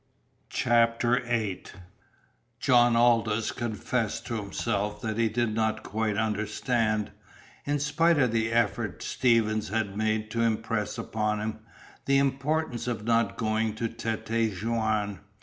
CHAPTER VIII John Aldous confessed to himself that he did not quite understand, in spite of the effort Stevens had made to impress upon him, the importance of not going to Tête Jaune.